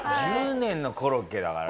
１０年のコロッケだから。